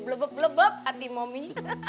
blebeb blebeb hati mami